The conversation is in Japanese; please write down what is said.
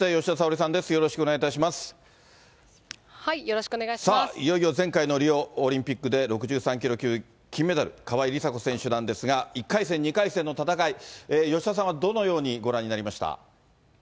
さあ、いよいよ前回のリオオリンピックで６３キロ級金メダル、川井梨紗子選手なんですが、１回戦、２回戦の戦い、吉田さんはどのようにご覧になりました。